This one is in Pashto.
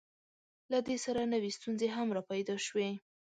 له دې سره نوې ستونزې هم راپیدا شوې.